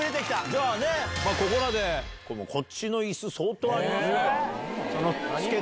じゃあここらで。こっちの椅子相当ありますから。